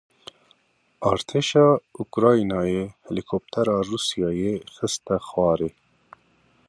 Artêşa Ukraynayê helîkoptera Rûsyayê xiste xwarê.